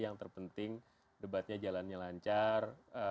yang terpenting debatnya jalannya lancar